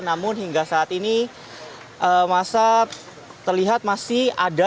namun hingga saat ini masa terlihat masih ada